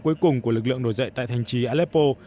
cuối cùng của lực lượng nổi dậy tại thành trí aleppo